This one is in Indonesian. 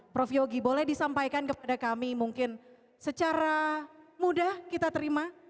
prof yogi boleh disampaikan kepada kami mungkin secara mudah kita terima